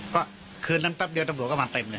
ก็คืนนั้นแป๊บเดียวตำรวจก็มาเต็มเลย